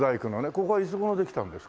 ここはいつ頃できたんですか？